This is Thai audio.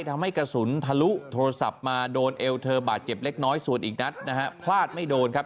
ทำให้กระสุนทะลุโทรศัพท์มาโดนเอวเธอบาดเจ็บเล็กน้อยส่วนอีกนัดนะฮะพลาดไม่โดนครับ